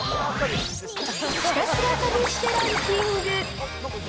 ひたすら試してランキング。